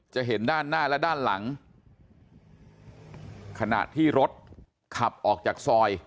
เห็นด้านหน้าและด้านหลังขณะที่รถขับออกจากซอย